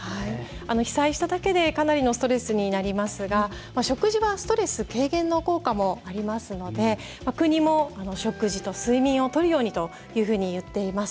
被災しただけでかなりのストレスになりますが食事はストレス軽減の効果もありますので国も、食事と睡眠をとるようにといっています。